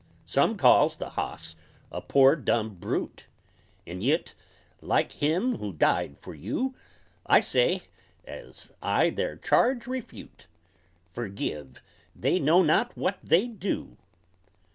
Some calls the hoss "a pore dumb brute," And yit, like Him who died fer you, I say, as I theyr charge refute, "'Fergive; they know not what they do!'"